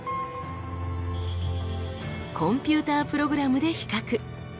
コンピュータープログラムで比較。